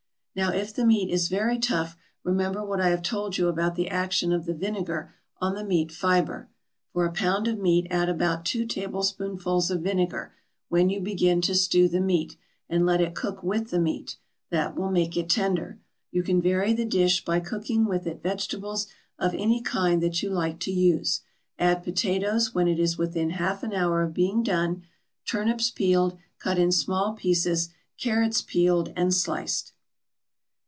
Now if the meat is very tough remember what I have told you about the action of the vinegar on the meat fibre. For a pound of meat add about two tablespoonfuls of vinegar, when you begin to stew the meat, and let it cook with the meat; that will make it tender. You can vary the dish by cooking with it vegetables of any kind that you like to use. Add potatoes when it is within half an hour of being done, turnips peeled, cut in small pieces; carrots peeled and sliced.